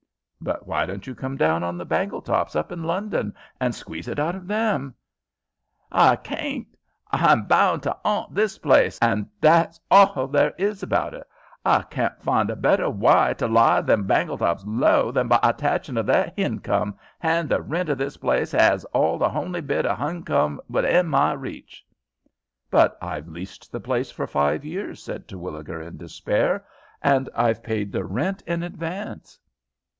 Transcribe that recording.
"But why don't you come down on the Bangletops up in London, and squeeze it out of them?" "H'I carn't. H'I'm bound to 'aunt this 'all, an' that's hall there is about it. H'I carn't find a better wy to ly them Baingletops low than by attachin' of their hincome, hand the rent of this 'all is the honly bit of hincome within my reach." "But I've leased the place for five years," said Terwilliger, in despair; "and I've paid the rent in advance."